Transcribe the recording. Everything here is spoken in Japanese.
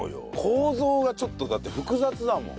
構造がちょっとだって複雑だもん。